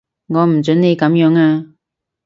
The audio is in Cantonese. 我唔準你噉樣啊